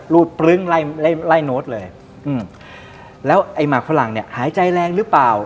รูดปลึ๊งไล่โน้ตเลยแล้วไอ้หมากฝรั่งหายใจแรงหรือเปล่า